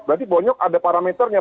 berarti bonyok ada parameternya